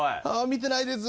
見てないです。